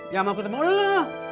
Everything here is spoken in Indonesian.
ya mau ketemu lo